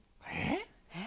えっ？